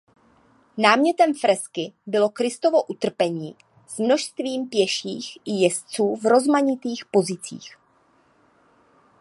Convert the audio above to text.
Námětem fresky bylo Kristovo utrpení s množstvím pěších i jezdců v rozmanitých pozicích.